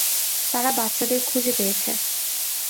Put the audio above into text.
তারা বাচ্চাদের খুঁজে পেয়েছে।